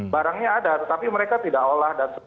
barangnya ada tetapi mereka tidak olah